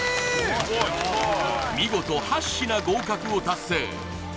見事８品合格を達成